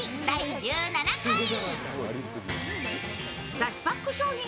第１７回。